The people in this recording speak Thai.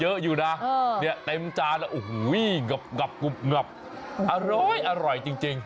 เยอะอยู่นะเนี่ยเต็มจานแล้วอร่อยจริง